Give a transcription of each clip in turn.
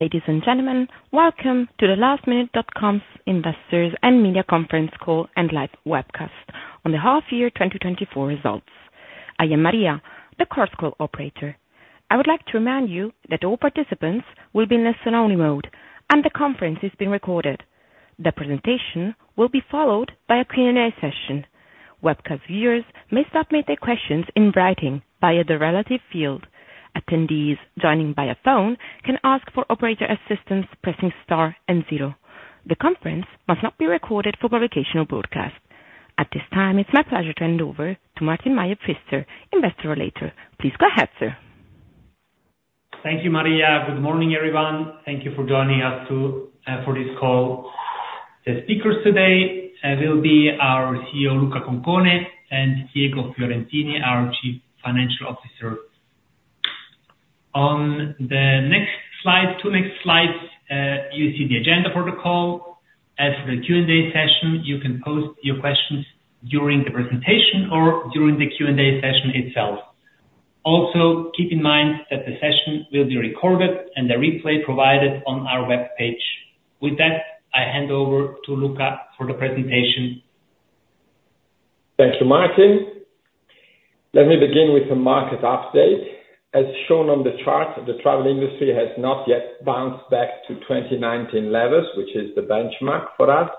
Ladies and gentlemen, welcome to the Lastminute.com's Investors and Media Conference Call and Live Webcast on the half year 2024 results. I am Maria, the Chorus Call operator. I would like to remind you that all participants will be in listen only mode, and the conference is being recorded. The presentation will be followed by a Q&A session. Webcast viewers may submit their questions in writing via the relevant field. Attendees joining by phone can ask for operator assistance, pressing star and zero. The conference must not be recorded for publication or broadcast. At this time, it's my pleasure to hand over to Martin Meier-Pfister, Investor Relations. Please go ahead, sir. Thank you, Maria. Good morning, everyone. Thank you for joining us to, for this call. The speakers today, will be our CEO, Luca Concone, and Diego Fiorentini, our Chief Financial Officer. On the next slide, two next slides, you see the agenda for the call. As for the Q&A session, you can post your questions during the presentation or during the Q&A session itself. Also, keep in mind that the session will be recorded and the replay provided on our webpage. With that, I hand over to Luca for the presentation. Thanks to Martin. Let me begin with the market update. As shown on the chart, the travel industry has not yet bounced back to 2019 levels, which is the benchmark for us,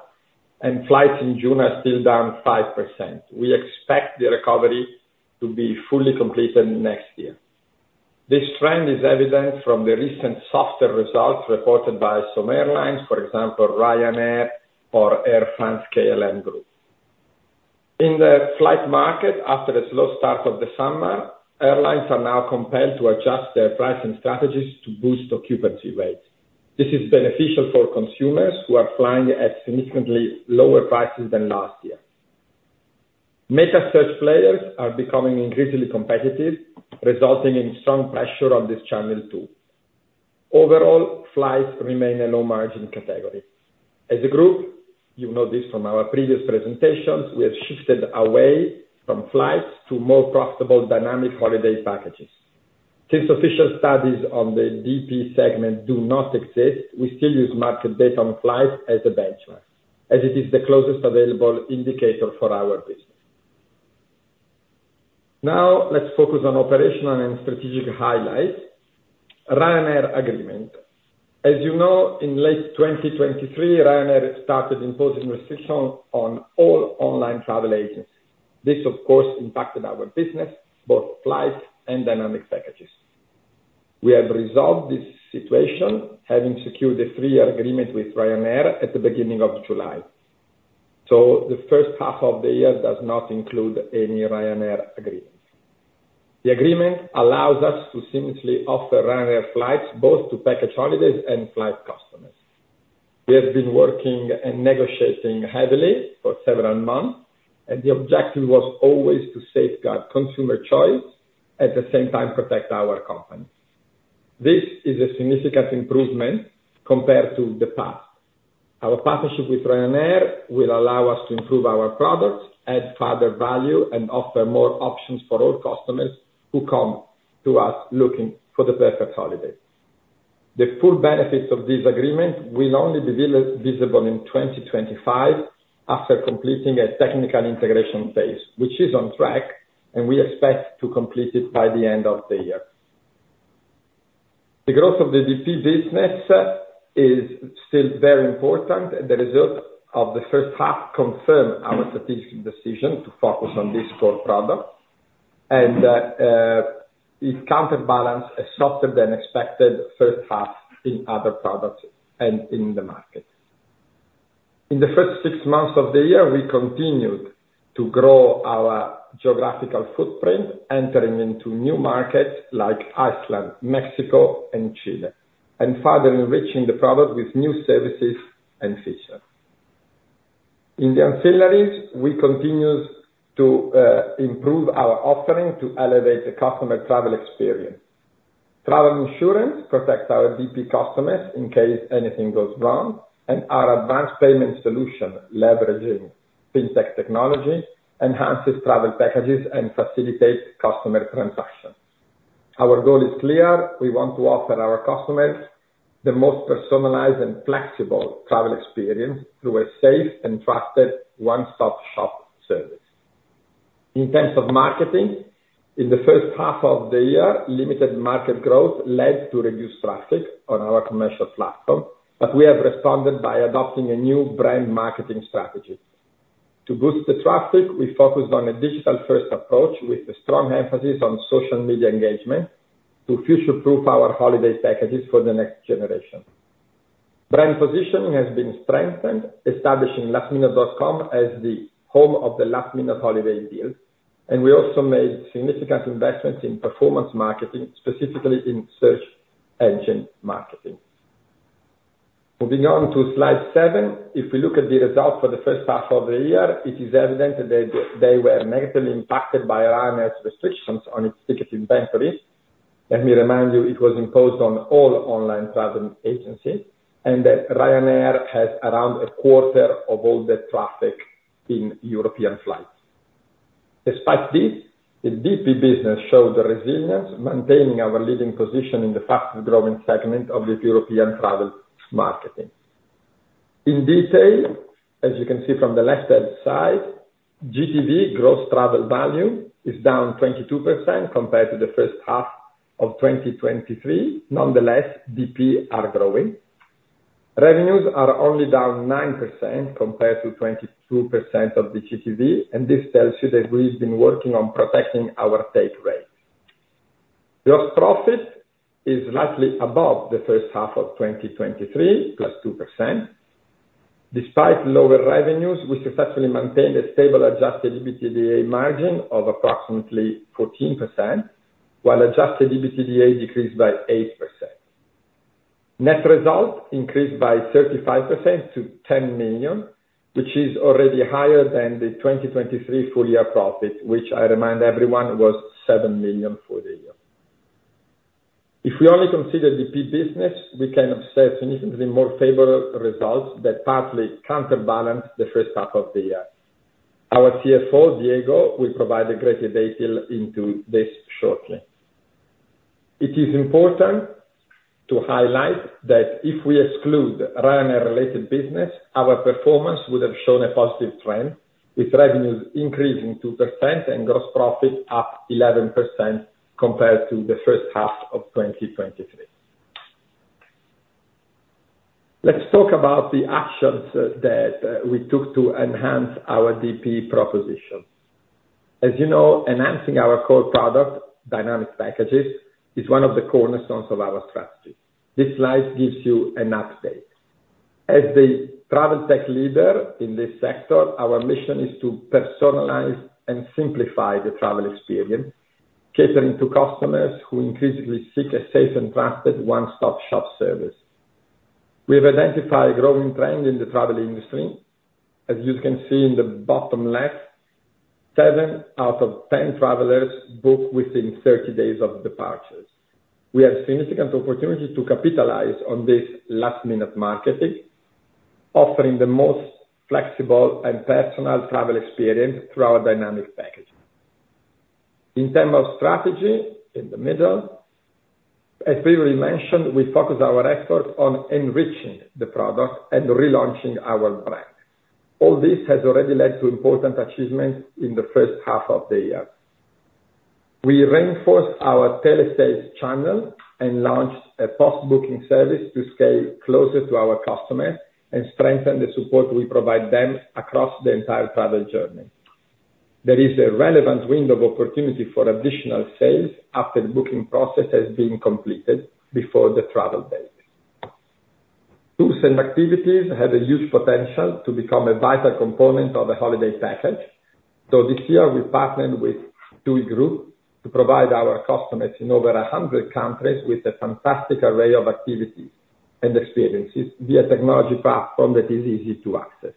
and flights in June are still down 5%. We expect the recovery to be fully completed next year. This trend is evident from the recent softer results reported by some airlines, for example, Ryanair or Air France-KLM Group. In the flight market, after a slow start of the summer, airlines are now compelled to adjust their pricing strategies to boost occupancy rates. This is beneficial for consumers who are flying at significantly lower prices than last year. Metasearch players are becoming increasingly competitive, resulting in strong pressure on this channel, too. Overall, flights remain a low margin category. As a group, you know this from our previous presentations, we have shifted away from flights to more profitable dynamic holiday packages. Since official studies on the DP segment do not exist, we still use market data on flights as a benchmark, as it is the closest available indicator for our business. Now, let's focus on operational and strategic highlights. Ryanair agreement. As you know, in late 2023, Ryanair started imposing restrictions on all online travel agents. This, of course, impacted our business, both flights and dynamic packages. We have resolved this situation, having secured a three-year agreement with Ryanair at the beginning of July, so the first half of the year does not include any Ryanair agreements. The agreement allows us to seamlessly offer Ryanair flights, both to package holidays and flight customers. We have been working and negotiating heavily for several months, and the objective was always to safeguard consumer choice, at the same time, protect our company. This is a significant improvement compared to the past. Our partnership with Ryanair will allow us to improve our products, add further value, and offer more options for all customers who come to us looking for the perfect holiday. The full benefits of this agreement will only be visible in 2025 after completing a technical integration phase, which is on track, and we expect to complete it by the end of the year. The growth of the DP business is still very important. The result of the first half confirmed our strategic decision to focus on this core product, and it counterbalance a softer than expected first half in other products and in the market. In the first six months of the year, we continued to grow our geographical footprint, entering into new markets like Iceland, Mexico, and Chile, and further enriching the product with new services and features. In the ancillaries, we continued to improve our offering to elevate the customer travel experience. Travel insurance protects our DP customers in case anything goes wrong, and our advanced payment solution, leveraging fintech technology, enhances travel packages and facilitates customer transactions. Our goal is clear: We want to offer our customers the most personalized and flexible travel experience through a safe and trusted one-stop shop service. In terms of marketing, in the first half of the year, limited market growth led to reduced traffic on our commercial platform, but we have responded by adopting a new brand marketing strategy. To boost the traffic, we focused on a digital-first approach with a strong emphasis on social media engagement, to future-proof our holiday packages for the next generation. Brand positioning has been strengthened, establishing lastminute.com as the home of the last-minute holiday deals, and we also made significant investments in performance marketing, specifically in search engine marketing. Moving on to slide seven. If we look at the results for the first half of the year, it is evident that they were negatively impacted by Ryanair's restrictions on its ticket inventory. Let me remind you, it was imposed on all online travel agencies, and that Ryanair has around a quarter of all the traffic in European flights. Despite this, the DP business showed the resilience, maintaining our leading position in the fastest growing segment of the European travel marketing. In detail, as you can see from the left-hand side, GTV, gross travel value, is down 22% compared to the first half of 2023. Nonetheless, DP are growing. Revenues are only down 9% compared to 22% of the GTV, and this tells you that we've been working on protecting our take rate. Gross profit is slightly above the first half of 2023, +2%. Despite lower revenues, we successfully maintained a stable adjusted EBITDA margin of approximately 14%, while adjusted EBITDA decreased by 8%. Net result increased by 35% to 10 million, which is already higher than the 2023 full year profit, which I remind everyone, was 7 million for the year. If we only consider the DP business, we can observe significantly more favorable results that partly counterbalance the first half of the year. Our CFO, Diego, will provide a greater detail into this shortly. It is important to highlight that if we exclude Ryanair-related business, our performance would have shown a positive trend, with revenues increasing 2% and gross profit up 11% compared to the first half of 2023. Let's talk about the actions that we took to enhance our DP proposition. As you know, enhancing our core product, dynamic packages, is one of the cornerstones of our strategy. This slide gives you an update. As the travel tech leader in this sector, our mission is to personalize and simplify the travel experience, catering to customers who increasingly seek a safe and trusted one-stop-shop service. We have identified a growing trend in the travel industry. As you can see in the bottom left, seven out of 10 travelers book within 30 days of departures. We have significant opportunity to capitalize on this last-minute marketing, offering the most flexible and personal travel experience through our Dynamic Packaging. In terms of strategy, in the middle, as previously mentioned, we focus our efforts on enriching the product and relaunching our brand. All this has already led to important achievements in the first half of the year. We reinforced our telesales channel and launched a post-booking service to stay closer to our customers and strengthen the support we provide them across the entire travel journey. There is a relevant window of opportunity for additional sales after the booking process has been completed before the travel date. Tours and activities have a huge potential to become a vital component of a holiday package, so this year we partnered with TUI Group to provide our customers in over 100 countries with a fantastic array of activities and experiences via technology platform that is easy to access.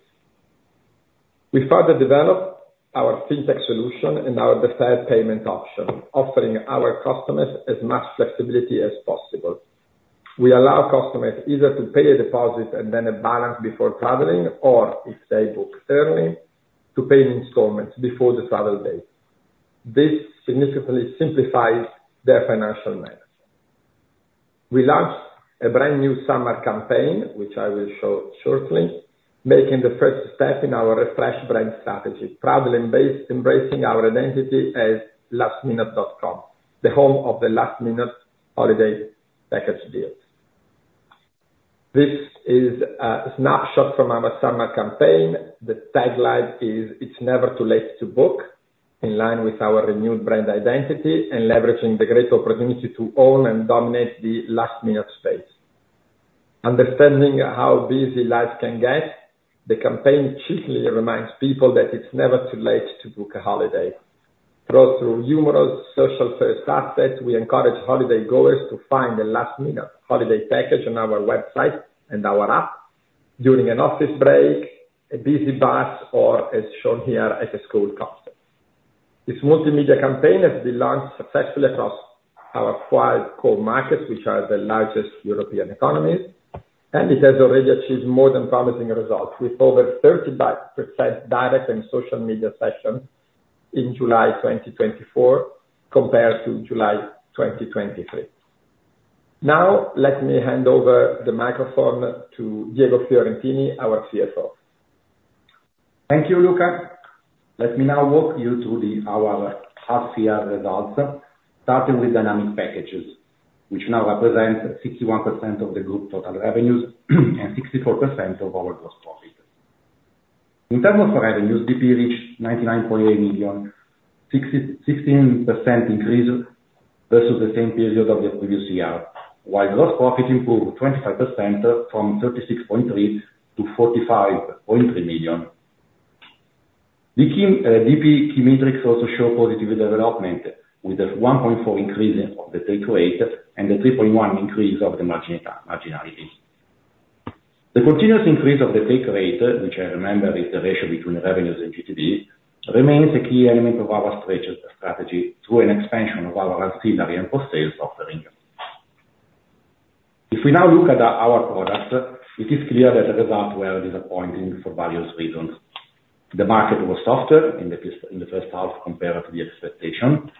We further developed our Fintech solution and our deferred payment option, offering our customers as much flexibility as possible. We allow customers either to pay a deposit and then a balance before traveling, or if they book early, to pay in installments before the travel date. This significantly simplifies their financial management. We launched a brand new summer campaign, which I will show shortly, making the first step in our refreshed brand strategy, travel-based embracing our identity as lastminute.com, the home of the last-minute holiday package deals. This is a snapshot from our summer campaign. The tagline is, "It's never too late to book," in line with our renewed brand identity and leveraging the great opportunity to own and dominate the last-minute space. Understanding how busy lives can get, the campaign cheerfully reminds people that it's never too late to book a holiday. Through humorous, social-first aspects, we encourage holiday goers to find the last-minute holiday package on our website and our app during an office break, a busy bath, or as shown here, at a school concert. This multimedia campaign has been launched successfully across our five core markets, which are the largest European economies, and it has already achieved more than promising results, with over 35% direct and social media sessions in July 2024, compared to July 2023. Now, let me hand over the microphone to Diego Fiorentini, our CFO. Thank you, Luca. Let me now walk you through the, our half-year results, starting with Dynamic Packages, which now represent 61% of the group total revenues, and 64% of our gross profit. In terms of revenues, DP reached 99.8 million, 66% increase versus the same period of the previous year, while gross profit improved 25% from 36.3 million to 45.3 million. The key DP key metrics also show positive development, with a 1.4 increase of the take rate and a 3.1 increase of the margin, marginality. The continuous increase of the take rate, which I remember is the ratio between revenues and GTV, remains a key element of our strategy, strategy, through an expansion of our ancillary and post-sale offering. If we now look at our products, it is clear that the results were disappointing for various reasons. The market was softer in the first half compared to the expectation,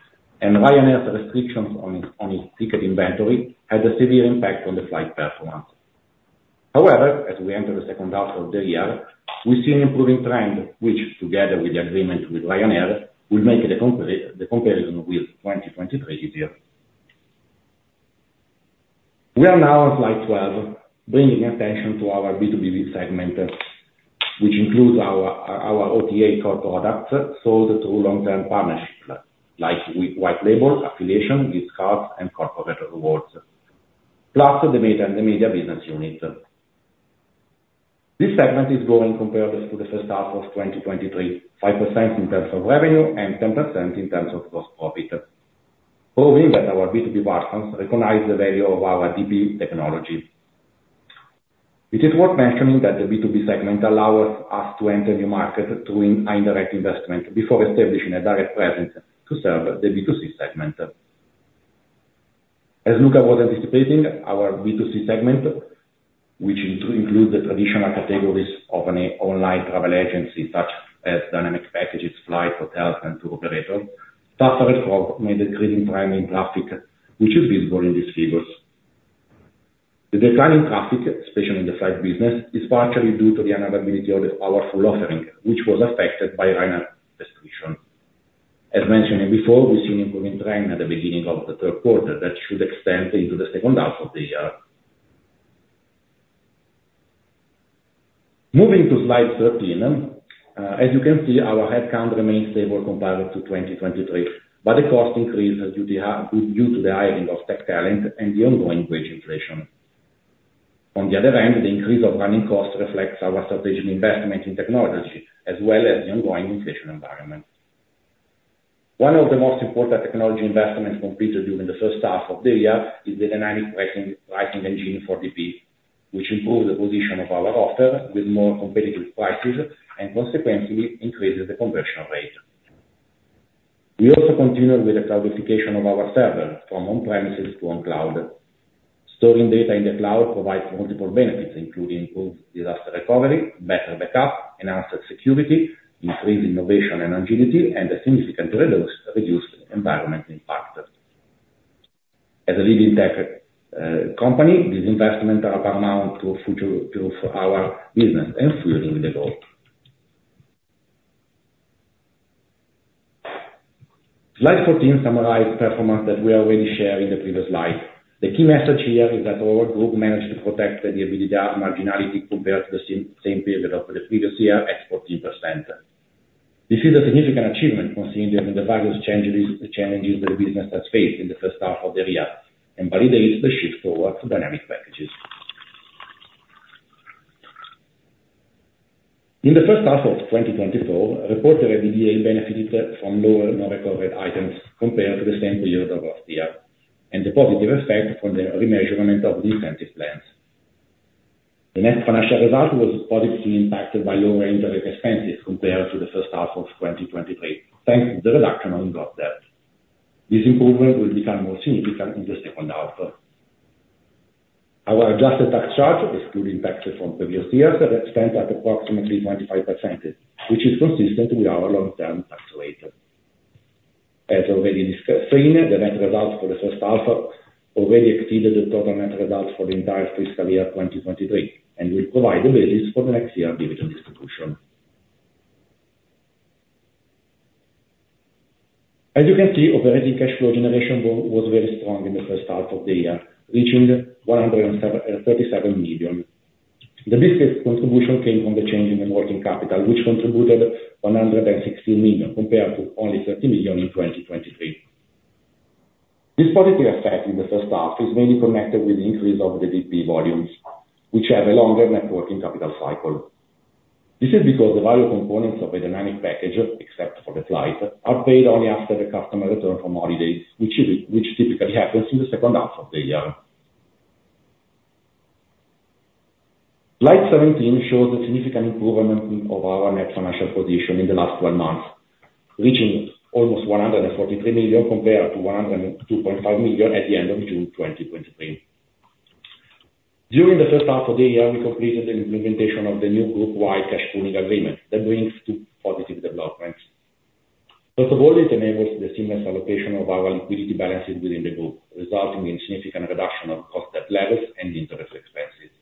and Ryanair's restrictions on its ticket inventory had a severe impact on the flight performance. However, as we enter the second half of the year, we see an improving trend, which together with the agreement with Ryanair, will make the comparison with 2023 easier. We are now on slide 12, bringing attention to our B2B segment, which includes our OTA core products sold through long-term partnerships, like with white label, affiliation with cards, and corporate rewards, plus the media business unit. This segment is growing compared to the first half of 2023, 5% in terms of revenue and 10% in terms of gross profit, proving that our B2B partners recognize the value of our DP technology. It is worth mentioning that the B2B segment allows us to enter new markets through an indirect investment before establishing a direct presence to serve the B2C segment. As Luca was anticipating, our B2C segment, which includes the traditional categories of an online travel agency, such as dynamic packages, flights, hotels, and tour operators, suffered from a decreasing trending traffic, which is visible in these figures. The declining traffic, especially in the flight business, is partially due to the unavailability of the powerful offering, which was affected by Ryanair's restriction. As mentioned before, we've seen improving trend at the beginning of the third quarter that should extend into the second half of the year. Moving to slide 13, as you can see, our headcount remains stable compared to 2023, but the cost increased due to the hiring of tech talent and the ongoing wage inflation. On the other hand, the increase of running costs reflects our strategic investment in technology, as well as the ongoing inflation environment. One of the most important technology investments completed during the first half of the year is the dynamic pricing engine for DP, which improved the position of our offer with more competitive prices and consequently increases the conversion rate. We also continue with the cloudification of our server from on-premises to on cloud. Storing data in the cloud provides multiple benefits, including improved disaster recovery, better backup, enhanced security, increased innovation and agility, and a significant reduced environmental impact. As a leading tech company, these investments are paramount to future, to our business and fueling the growth. Slide 14 summarize performance that we already shared in the previous slide. The key message here is that our group managed to protect the EBITDA marginality compared to the same period of the previous year at 14%. This is a significant achievement considering the various challenges the business has faced in the first half of the year, and validates the shift towards dynamic packages. In the first half of 2024, reported EBITDA benefited from lower non-recovered items compared to the same period of last year, and the positive effect from the remeasurement of the incentive plans. The net financial result was positively impacted by lower interest expenses compared to the first half of 2023, thanks to the reduction on gross debt. This improvement will become more significant in the second half. Our adjusted tax charge is fully impacted from previous years that stands at approximately 95%, which is consistent with our long-term tax rate. As already discussed, seen, the net results for the first half already exceeded the total net results for the entire fiscal year 2023, and will provide the basis for the next year dividend distribution. As you can see, operating cash flow generation was very strong in the first half of the year, reaching 177 million. The biggest contribution came from the change in the working capital, which contributed 160 million, compared to only 30 million in 2023. This positive effect in the first half is mainly connected with the increase of the DP volumes, which have a longer working capital cycle. This is because the value components of a Dynamic Package, except for the flight, are paid only after the customer return from holiday, which typically happens in the second half of the year. Slide 17 shows the significant improvement of our net financial position in the last twelve months, reaching almost 143 million compared to 102.5 million at the end of June 2023. During the first half of the year, we completed the implementation of the new group-wide cash pooling agreement that brings two positive developments. First of all, it enables the seamless allocation of our liquidity balances within the group, resulting in significant reduction of gross debt levels and interest expenses.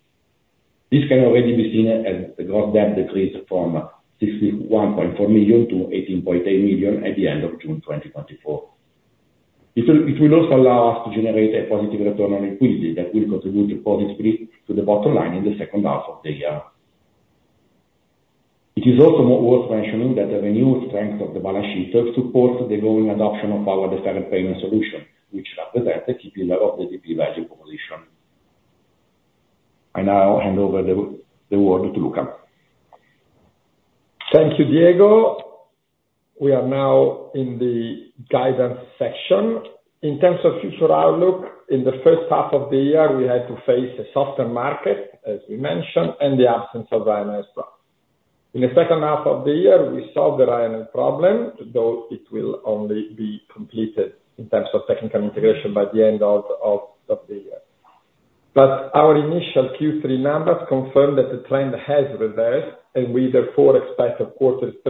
This can already be seen as the gross debt decreased from 61.4 million to 18.8 million at the end of June 2024. It will also allow us to generate a positive return on liquidity, that will contribute positively to the bottom line in the second half of the year. It is also worth mentioning that the renewed strength of the balance sheet supports the growing adoption of our deferred payment solution, which represents a key pillar of the DP value proposition. I now hand over the word to Luca. Thank you, Diego. We are now in the guidance section. In terms of future outlook, in the first half of the year, we had to face a softer market, as we mentioned, and the absence of Ryanair as well. In the second half of the year, we solved the Ryanair problem, though it will only be completed in terms of technical integration by the end of the year. But our initial Q3 numbers confirm that the trend has reversed, and we therefore expect a Q3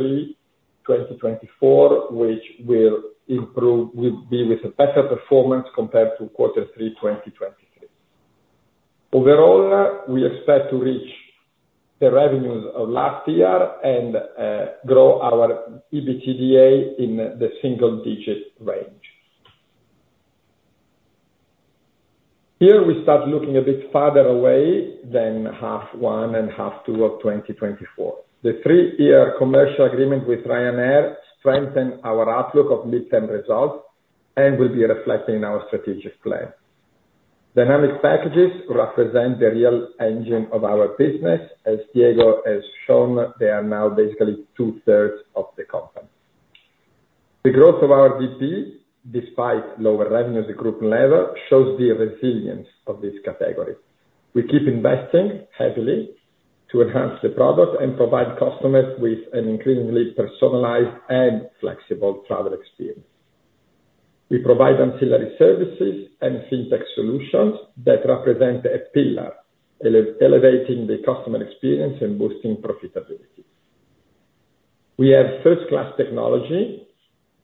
2024, which will improve, will be with a better performance compared to Q3 2023. Overall, we expect to reach the revenues of last year and grow our EBITDA in the single-digit range. Here, we start looking a bit farther away than H1 and H2 of 2024. The three-year commercial agreement with Ryanair strengthens our outlook of midterm results and will be reflected in our strategic plan. Dynamic Packages represent the real engine of our business. As Diego has shown, they are now basically two-thirds of the company. The growth of our DP, despite lower revenue, the group level, shows the resilience of this category. We keep investing heavily to enhance the product and provide customers with an increasingly personalized and flexible travel experience. We provide ancillary services and Fintech solutions that represent a pillar, elevating the customer experience and boosting profitability. We have first-class technology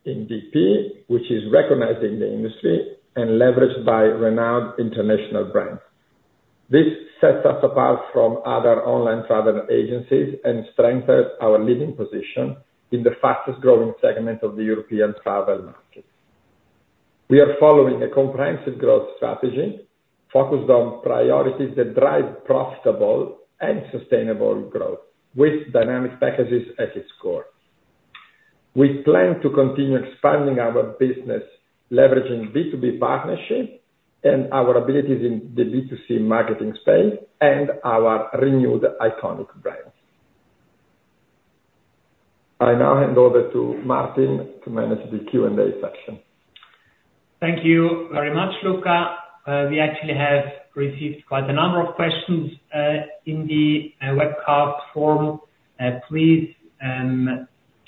in DP, which is recognized in the industry and leveraged by renowned international brands. This sets us apart from other online travel agencies and strengthens our leading position in the fastest growing segment of the European travel market. We are following a comprehensive growth strategy focused on priorities that drive profitable and sustainable growth, with dynamic packages at its core. We plan to continue expanding our business, leveraging B2B partnership and our abilities in the B2C marketing space and our renewed iconic brands. I now hand over to Martin to manage the Q&A section. Thank you very much, Luca. We actually have received quite a number of questions in the webcast form.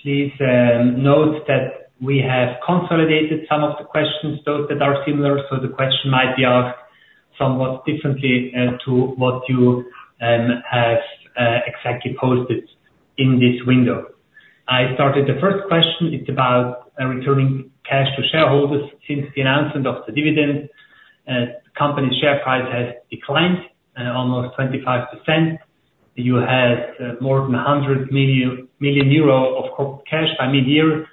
Please note that we have consolidated some of the questions, those that are similar, so the question might be asked somewhat differently to what you have exactly posted in this window. I started the first question, it's about returning cash to shareholders. Since the announcement of the dividend, company share price has declined almost 25%. You had more than 100 million euros of cash by mid-year,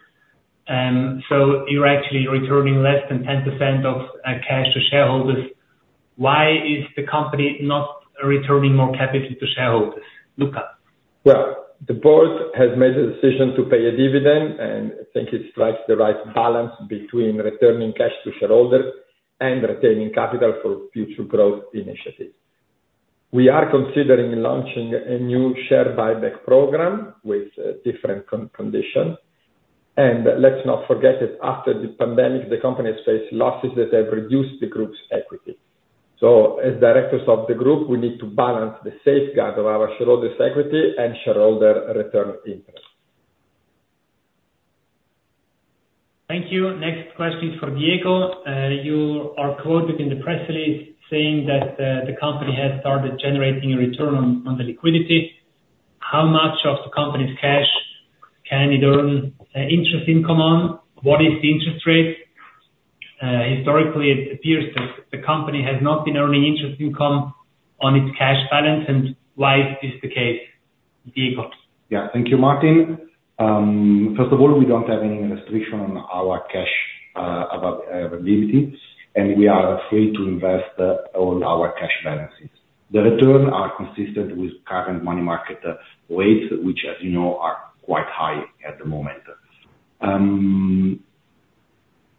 so you're actually returning less than 10% of cash to shareholders. Why is the company not returning more capital to shareholders? Luca? Well, the board has made a decision to pay a dividend, and I think it strikes the right balance between returning cash to shareholders and retaining capital for future growth initiatives. We are considering launching a new share buyback program with different conditions. Let's not forget that after the pandemic, the company has faced losses that have reduced the group's equity. As directors of the group, we need to balance the safeguard of our shareholders' equity and shareholder return interest. Thank you. Next question is for Diego. You are quoted in the press release saying that the company has started generating a return on the liquidity. How much of the company's cash can it earn interest income on? What is the interest rate? Historically, it appears that the company has not been earning interest income on its cash balance, and why is this the case, Diego? Yeah. Thank you, Martin. First of all, we don't have any restriction on our cash availability, and we are free to invest all our cash balances. The return are consistent with current money market rates, which, as you know, are quite high at the moment.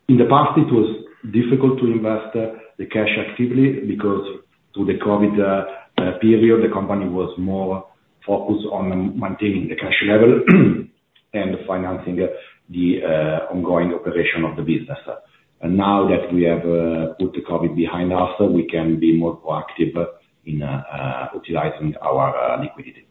In the past, it was difficult to invest the cash actively because through the COVID period, the company was more focused on maintaining the cash level, and financing the ongoing operation of the business. And now that we have put the COVID behind us, we can be more proactive in utilizing our liquidity.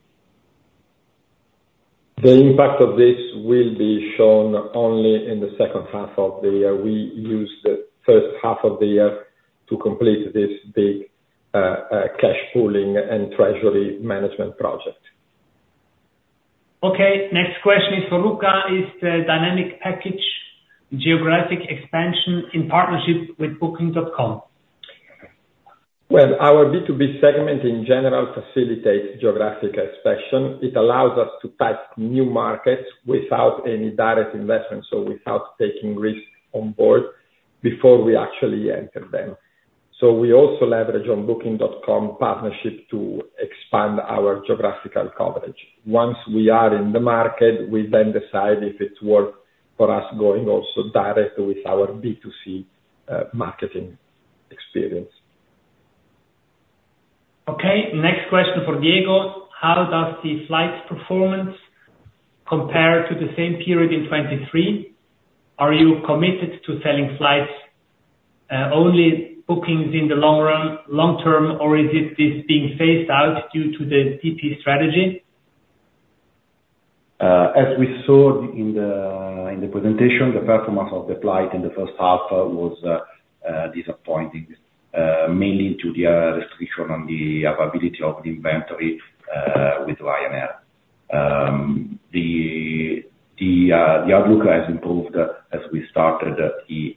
The impact of this will be shown only in the second half of the year. We used the first half of the year to complete this big, cash pooling, and treasury management project. Okay. Next question is for Luca: Is the Dynamic Package geographic expansion in partnership with Booking.com? Well, our B2B segment in general facilitates geographic expansion. It allows us to test new markets without any direct investment, so without taking risks on board before we actually enter them. So we also leverage on Booking.com partnership to expand our geographical coverage. Once we are in the market, we then decide if it's worth for us going also direct with our B2C marketing experience. Okay, next question for Diego: How does the flights performance compare to the same period in 2023? Are you committed to selling flights? Only bookings in the long run, long term, or is this, this being phased out due to the DP strategy? As we saw in the presentation, the performance of the flight in the first half was disappointing, mainly to the restriction on the availability of the inventory with Ryanair. The outlook has improved as we started the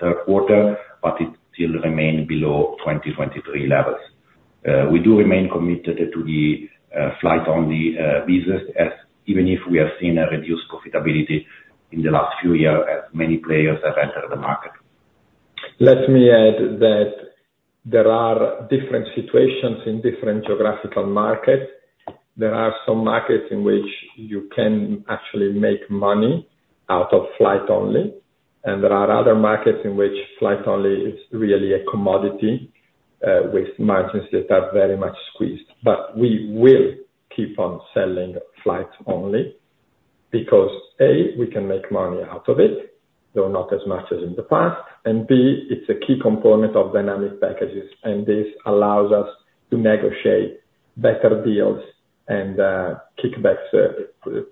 third quarter, but it still remain below 2023 levels. We do remain committed to the flight-only business, as even if we have seen a reduced profitability in the last few years as many players have entered the market. Let me add that there are different situations in different geographical markets. There are some markets in which you can actually make money out of flight-only, and there are other markets in which flight-only is really a commodity, with margins that are very much squeezed. But we will keep on selling flight-only because, A, we can make money out of it, though not as much as in the past, and B, it's a key component of dynamic packages, and this allows us to negotiate better deals and kickbacks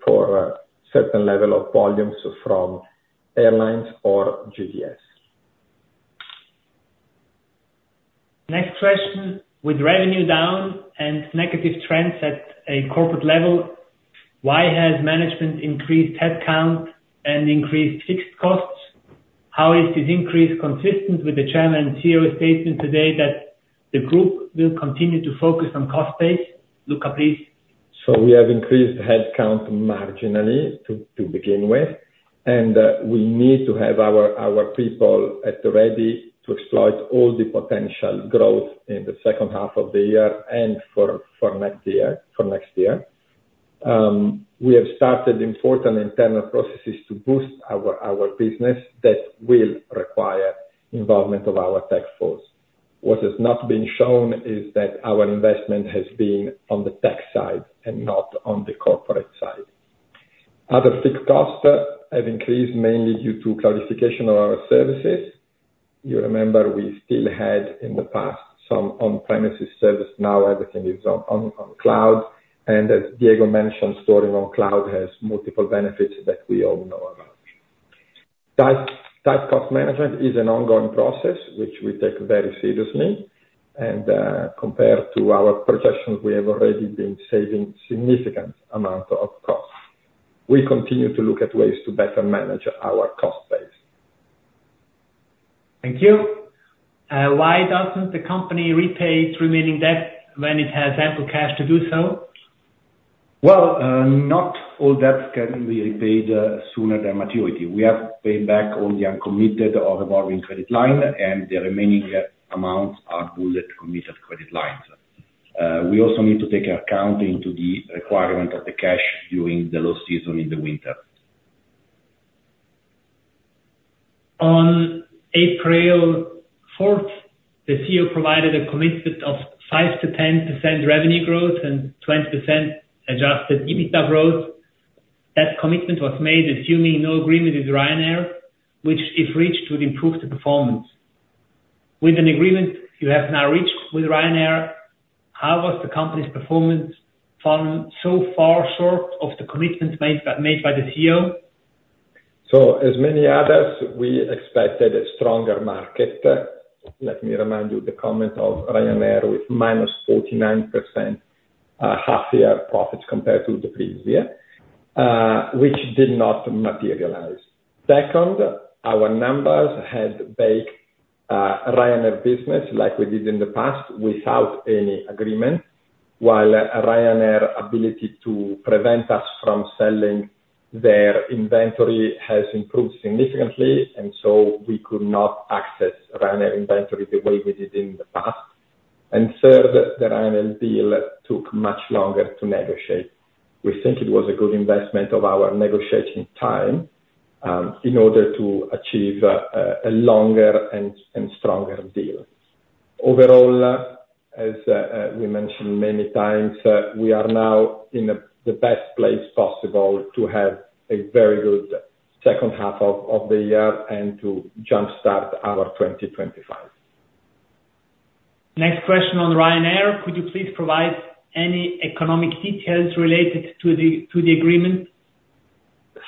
for a certain level of volumes from airlines or GDS. Next question: With revenue down and negative trends at a corporate level, why has management increased headcount and increased fixed costs? How is this increase consistent with the chairman and CEO statement today that the group will continue to focus on cost base? Luca, please. So we have increased headcount marginally, to begin with, and we need to have our people at the ready to exploit all the potential growth in the second half of the year and for next year, for next year. We have started important internal processes to boost our business that will require involvement of our tech force. What has not been shown is that our investment has been on the tech side and not on the corporate side. Other fixed costs have increased mainly due to cloudification of our services. You remember, we still had, in the past, some on-premises service; now everything is on cloud. And as Diego mentioned, storing on cloud has multiple benefits that we all know about. Cost management is an ongoing process, which we take very seriously, and compared to our projections, we have already been saving significant amount of costs. We continue to look at ways to better manage our cost base. Thank you. Why doesn't the company repay its remaining debt when it has ample cash to do so? Well, not all debts can be repaid sooner than maturity. We have paid back all the uncommitted or revolving credit line, and the remaining amounts are pulled at committed credit lines. We also need to take account into the requirement of the cash during the low season in the winter. On April 4th, the CEO provided a commitment of 5%-10% revenue growth and 20% adjusted EBITDA growth. That commitment was made assuming no agreement with Ryanair, which if reached, would improve the performance. With an agreement you have now reached with Ryanair, how was the company's performance fallen so far short of the commitments made by the CEO? So, as many others, we expected a stronger market. Let me remind you the comment of Ryanair, with -49% half-year profits compared to the previous year, which did not materialize. Second, our numbers had baked Ryanair business like we did in the past, without any agreement, while Ryanair ability to prevent us from selling their inventory has improved significantly, and so we could not access Ryanair inventory the way we did in the past. And third, the Ryanair deal took much longer to negotiate. We think it was a good investment of our negotiating time, in order to achieve a longer and stronger deal. Overall, as we mentioned many times, we are now in the best place possible to have a very good second half of the year and to jumpstart our 2025. Next question on Ryanair: Could you please provide any economic details related to the agreement?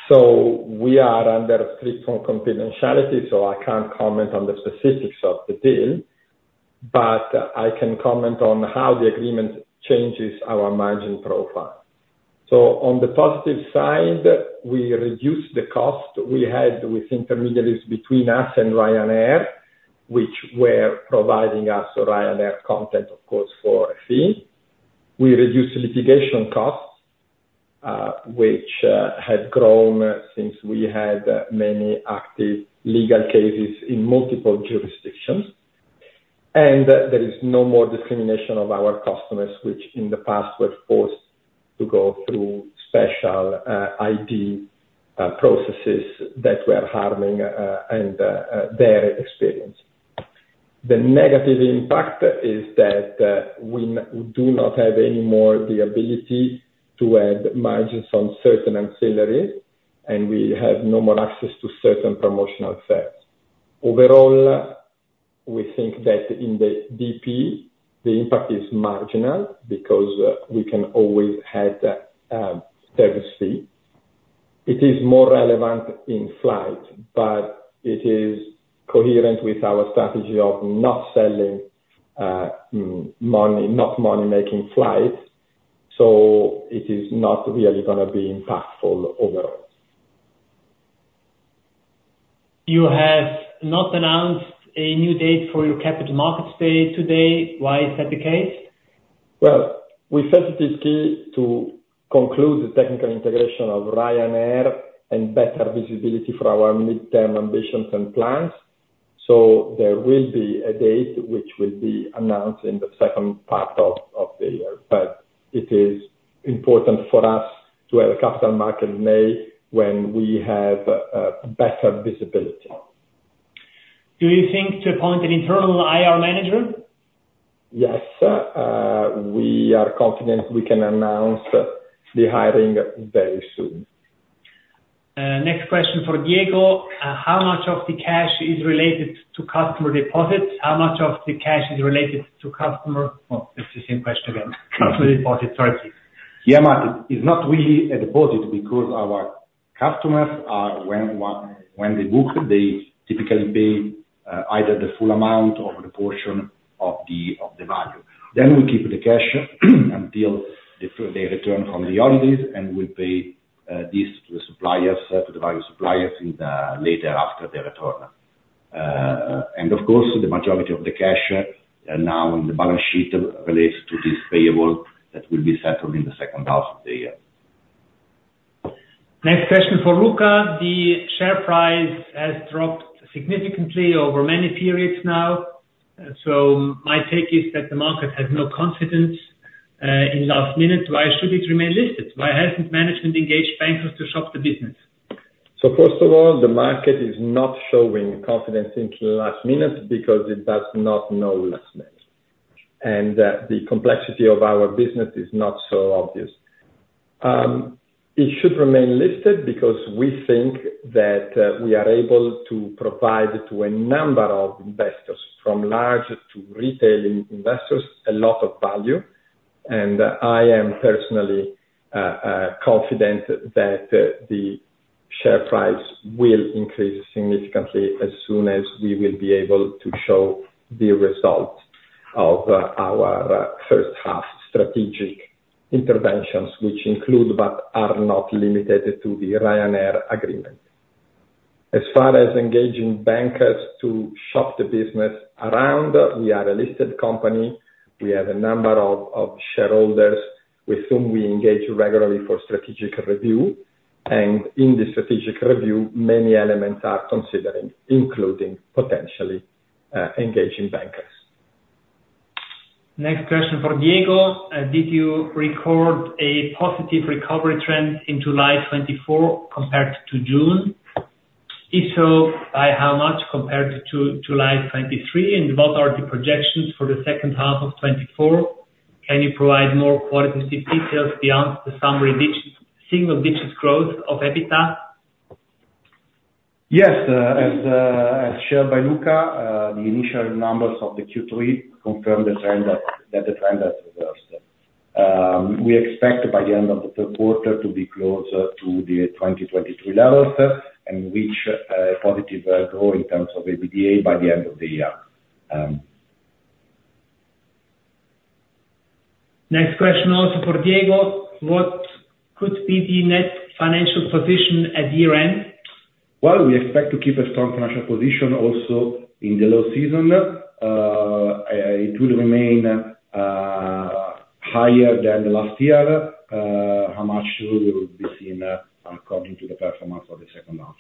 So we are under strict confidentiality, so I can't comment on the specifics of the deal, but I can comment on how the agreement changes our margin profile. So on the positive side, we reduced the cost we had with intermediaries between us and Ryanair, which were providing us Ryanair content, of course, for a fee. We reduced litigation costs, which had grown since we had many active legal cases in multiple jurisdictions. There is no more discrimination of our customers, which in the past were forced to go through special ID processes that were harming their experience. The negative impact is that we do not have any more the ability to add margins on certain ancillaries, and we have no more access to certain promotional fares. Overall, we think that in the DP, the impact is marginal, because we can always add service fee. It is more relevant in flight, but it is coherent with our strategy of not selling money-making flights, so it is not really gonna be impactful overall. You have not announced a new date for your capital markets day today. Why is that the case? Well, we said it is key to conclude the technical integration of Ryanair and better visibility for our midterm ambitions and plans, so there will be a date which will be announced in the second part of the year. But it is important for us to have a capital market in May when we have better visibility. Do you think to appoint an internal IR manager? Yes, we are confident we can announce the hiring very soon. Next question for Diego. How much of the cash is related to customer deposits? How much of the cash is related to customer. Oh, it's the same question again. Customer deposits, sorry. Yeah, but it's not really a deposit, because our customers are when—when they book, they typically pay, either the full amount or the portion of the, of the value. Then we keep the cash until they, they return from the holidays, and we pay, this to the suppliers, to the value suppliers, in the later after they return. And of course, the majority of the cash are now on the balance sheet relates to this payable that will be settled in the second half of the year. Next question for Luca. The share price has dropped significantly over many periods now, so my take is that the market has no confidence in lastminute.com. Why should it remain listed? Why hasn't management engaged bankers to shop the business? So first of all, the market is not showing confidence into lastminute.com, because it does not know lastminute.com, and the complexity of our business is not so obvious. It should remain listed because we think that we are able to provide to a number of investors, from large to retail investors, a lot of value, and I am personally confident that the share price will increase significantly as soon as we will be able to show the results of our first half strategic interventions, which include, but are not limited to, the Ryanair agreement. As far as engaging bankers to shop the business around, we are a listed company, we have a number of shareholders with whom we engage regularly for strategic review, and in the strategic review, many elements are considering, including potentially engaging bankers. Next question for Diego. Did you record a positive recovery trend in July 2024 compared to June? If so, by how much compared to July 2023, and what are the projections for the second half of 2024? Can you provide more qualitative details beyond the summary single digits growth of EBITDA? Yes, as shared by Luca, the initial numbers of the Q3 confirm the trend that the trend has reversed. We expect by the end of the third quarter to be closer to the 2023 levels, and reach positive growth in terms of EBITDA by the end of the year. Next question also for Diego. What could be the net financial position at year-end? Well, we expect to keep a strong financial position also in the low season. It will remain higher than last year. How much will be seen according to the performance for the second half.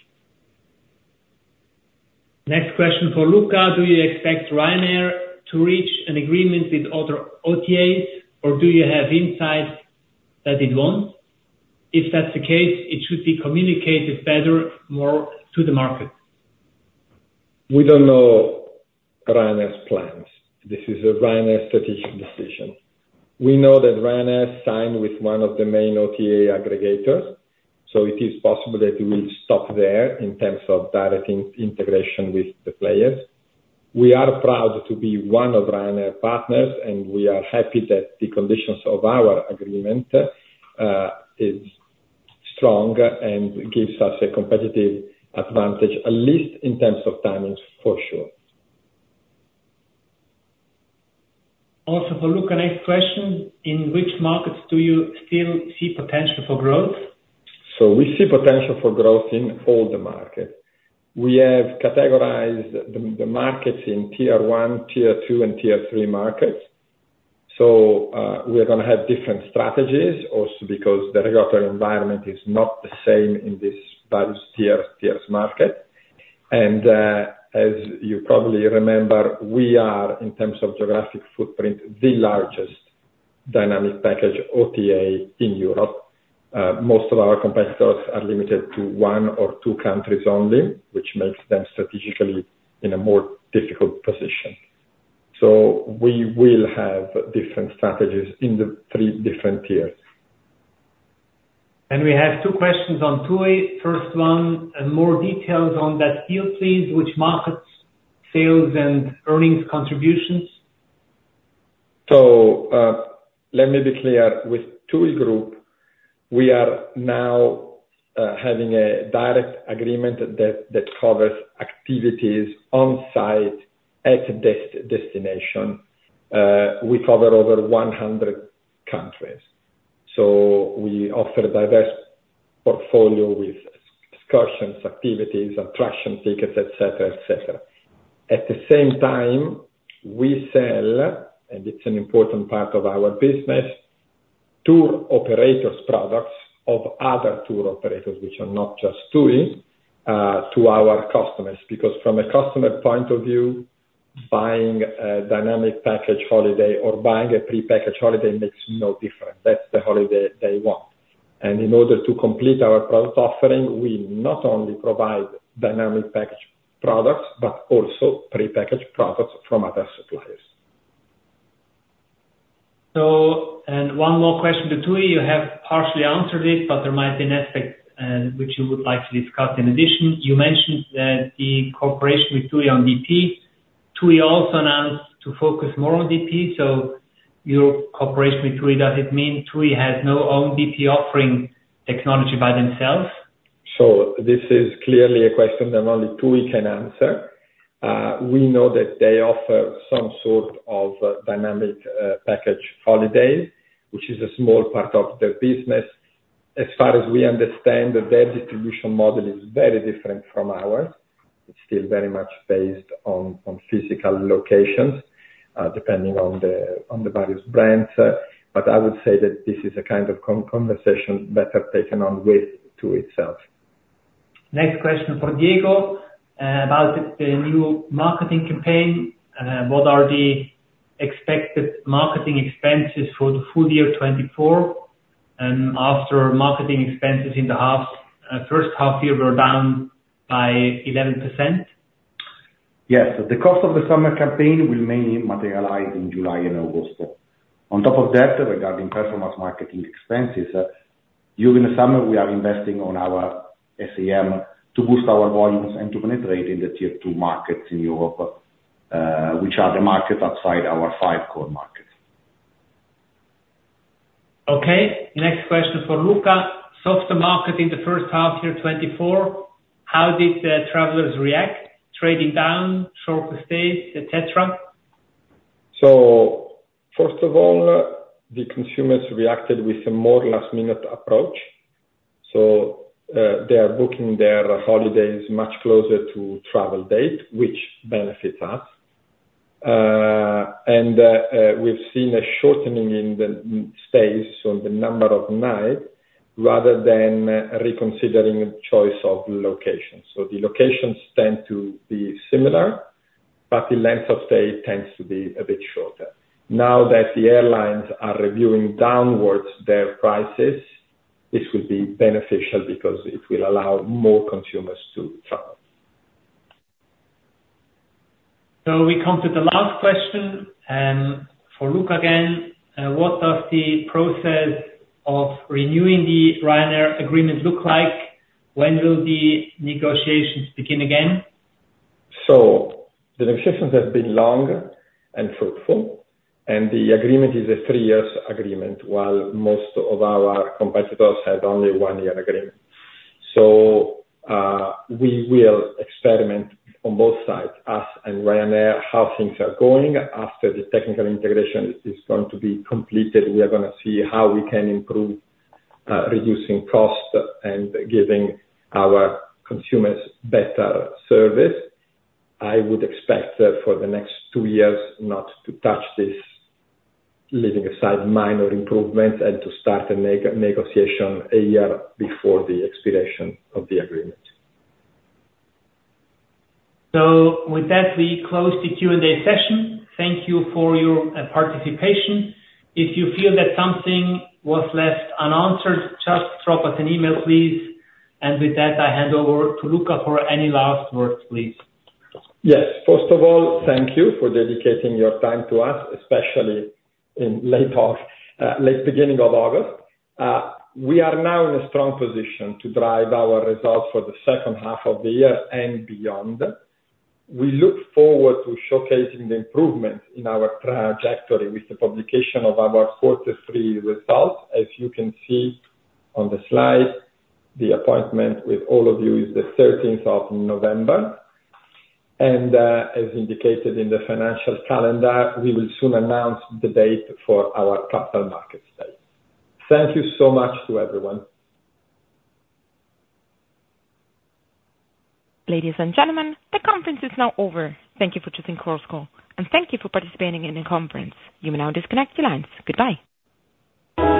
Next question for Luca: Do you expect Ryanair to reach an agreement with other OTAs, or do you have insights that it won't? If that's the case, it should be communicated better, more to the market. We don't know Ryanair's plans. This is a Ryanair strategic decision. We know that Ryanair signed with one of the main OTA aggregators, so it is possible that it will stop there in terms of direct integration with the players. We are proud to be one of Ryanair partners, and we are happy that the conditions of our agreement is strong and gives us a competitive advantage, at least in terms of timings, for sure. Also for Luca, next question: In which markets do you still see potential for growth? So we see potential for growth in all the markets. We have categorized the markets in tier one, tier two, and tier three markets. So we are gonna have different strategies, also because the regulatory environment is not the same in this tier, tiers market. And as you probably remember, we are, in terms of geographic footprint, the largest Dynamic Package OTA in Europe. Most of our competitors are limited to one or two countries only, which makes them strategically in a more difficult position. So we will have different strategies in the three different tiers. We have two questions on TUI. First one, and more details on that deal, please, which markets, sales, and earnings contributions? So, let me be clear, with TUI Group, we are now having a direct agreement that covers activities on site at destination. We cover over 100 countries, so we offer a diverse portfolio with excursions, activities, attraction tickets, et cetera, et cetera. At the same time, we sell, and it's an important part of our business, tour operators products of other tour operators, which are not just TUI, to our customers, because from a customer point of view, buying a dynamic package holiday or buying a prepackaged holiday makes no difference. That's the holiday they want. And in order to complete our product offering, we not only provide dynamic package products, but also prepackaged products from other suppliers. So, and one more question to TUI. You have partially answered this, but there might be an aspect, which you would like to discuss in addition. You mentioned that the cooperation with TUI on DP. TUI also announced to focus more on DP, so your cooperation with TUI, does it mean TUI has no own DP offering technology by themselves? So this is clearly a question that only TUI can answer. We know that they offer some sort of Dynamic Package holiday, which is a small part of their business. As far as we understand that their distribution model is very different from ours. It's still very much based on physical locations, depending on the various brands. But I would say that this is a kind of conversation better taken on with TUI itself. Next question for Diego, about the new marketing campaign. What are the expected marketing expenses for the full year 2024, after marketing expenses in the first half year were down by 11%? Yes. The cost of the summer campaign will mainly materialize in July and August. On top of that, regarding performance marketing expenses, during the summer, we are investing on our SEM to boost our volumes and to penetrate in the tier two markets in Europe, which are the markets outside our five core markets. Okay, next question for Luca. Soft market in the first half year 2024, how did the travelers react? Trading down, shorter stays, et cetera. So first of all, the consumers reacted with a more last-minute approach. So, they are booking their holidays much closer to travel date, which benefits us. We've seen a shortening in the stays, so the number of nights, rather than reconsidering choice of locations. So the locations tend to be similar, but the length of stay tends to be a bit shorter. Now that the airlines are reviewing downwards their prices, this will be beneficial because it will allow more consumers to travel. We come to the last question, for Luca again. What does the process of renewing the Ryanair agreement look like? When will the negotiations begin again? So the negotiations have been long and fruitful, and the agreement is a 3-year agreement, while most of our competitors have only 1-year agreement. So, we will experiment on both sides, us and Ryanair, how things are going. After the technical integration is going to be completed, we are gonna see how we can improve, reducing costs and giving our consumers better service. I would expect that for the next 2 years not to touch this, leaving aside minor improvements, and to start a negotiation 1 year before the expiration of the agreement. So with that, we close the Q&A session. Thank you for your participation. If you feel that something was left unanswered, just drop us an email, please. And with that, I hand over to Luca for any last words, please. Yes. First of all, thank you for dedicating your time to us, especially in late of, late beginning of August. We are now in a strong position to drive our results for the second half of the year and beyond. We look forward to showcasing the improvements in our trajectory with the publication of our quarter three results. As you can see on the slide, the appointment with all of you is the thirteenth of November. As indicated in the financial calendar, we will soon announce the date for our Capital Markets Day. Thank you so much to everyone. Ladies and gentlemen, the conference is now over. Thank you for choosing Chorus Call, and thank you for participating in the conference. You may now disconnect your lines. Goodbye.